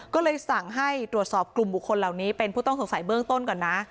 ก็เลยสั่งให้ตรวจสอบกลุ่มบุคคลเหล่านี้เป็นผู้ต้องสงสัยเบื้องต้นก่อนนะ